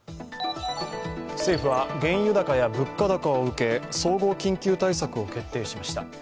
政府は原油高や物価高を受け総合緊急対策を決定しました。